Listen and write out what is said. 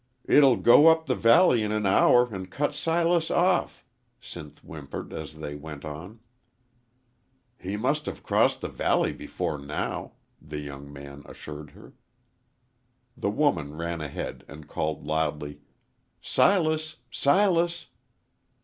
"It'll go up the valley in an hour an' cut Silas off," Sinth whimpered as they went on. "He must have crossed the valley before now," the young man assured her. The woman ran ahead and called, loudly, "Silas! Silas!"